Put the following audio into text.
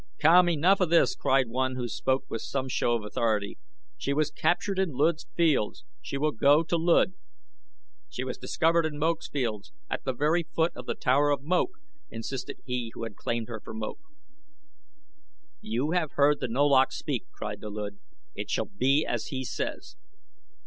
"Come! Enough of this," cried one who spoke with some show of authority. "She was captured in Luud's fields she will go to Luud." "She was discovered in Moak's fields, at the very foot of the tower of Moak," insisted he who had claimed her for Moak. "You have heard the Nolach speak," cried the Luud. "It shall be as he says."